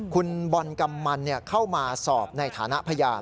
คุณบอลกำมันเข้ามาสอบในฐานะพยาน